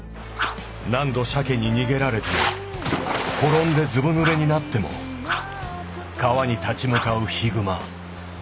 何度鮭に逃げられても転んでずぶぬれになっても川に立ち向かう悲熊。